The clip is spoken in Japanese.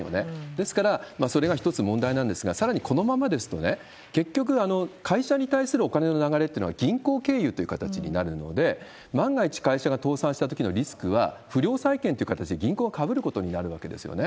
ですから、それが一つ問題なんですが、さらにこのままですと、結局、会社に対するお金の流れっていうのが銀行経由という形になるので、万が一会社が倒産したときのリスクは不良債権という形で銀行がかぶることになるわけですよね。